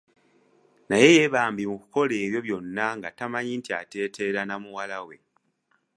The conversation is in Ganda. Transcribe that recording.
Naye ye bambi mu kukola ebyo byonna nga tamanyi nti ateetera na muwalawe.